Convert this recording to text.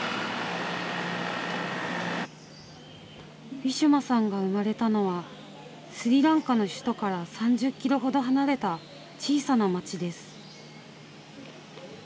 ウィシュマさんが生まれたのはスリランカの首都から３０キロほど離れた小さな町です。